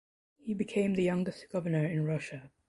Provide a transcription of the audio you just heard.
He became the youngest governor in Russia.